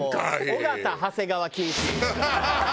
尾形長谷川禁止。